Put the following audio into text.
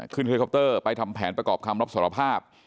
ขึ้นเคร็ดก็อปเตอร์ไปทำแผนประกอบคำรบสารภาพ